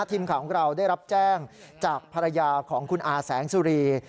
ทีมข่าวของเราได้รับแจ้งจากภรรยาของคุณอาแสงสุรี